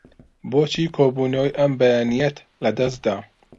بۆچی کۆبوونەوەی ئەم بەیانییەت لەدەست دا؟